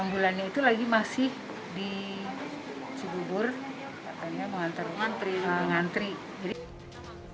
ambulannya itu lagi masih di cibubur mengantar ngantri